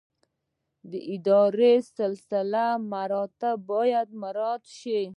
اداري سلسله مراتب باید مراعات شي